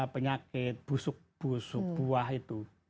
penyakit busuk buah itu